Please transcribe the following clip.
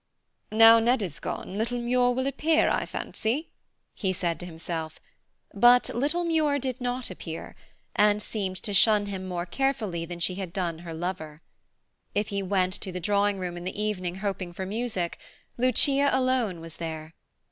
Now Ned is gone, little Muir will appear, I fancy, he said to himself; but "little Muir" did not appear, and seemed to shun him more carefully than she had done her lover. If he went to the drawing room in the evening hoping for music, Lucia alone was there.